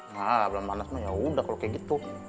nah belum pantes mah yaudah kalo kayak gitu